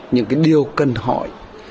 những cái điều cần hỏi